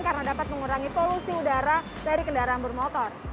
karena dapat mengurangi polusi udara dari kendaraan bermotor